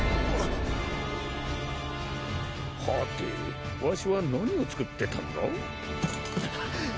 はてわしは何を作ってたんだ？